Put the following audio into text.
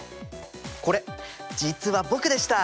これ実は僕でした。